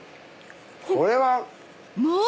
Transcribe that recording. これは。